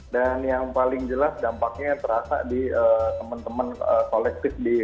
yang paling jelas dampaknya terasa di teman teman kolektif di